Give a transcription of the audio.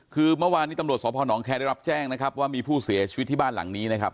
คือเมื่อวานนี้ตำรวจสพนแคร์ได้รับแจ้งนะครับว่ามีผู้เสียชีวิตที่บ้านหลังนี้นะครับ